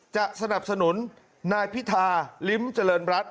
จะสนับสนุนนายพิธาลิ้มเจริญรัฐ